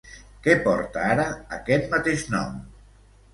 Què porta ara aquest mateix nom?